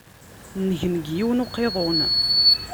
Ngen deg yiwen n uqiḍun.